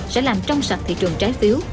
sẽ làm trong sạch thị trường trái phiếu